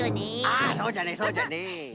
ああそうじゃねそうじゃね。